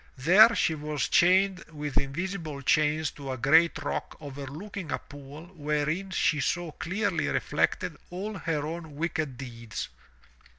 There she was chained with invisible chains to a great rock overlooking a pool wherein she saw clearly reflected all her own wicked deeds.